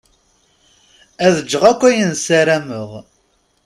Ad ǧǧeɣ akk ayen ssarameɣ.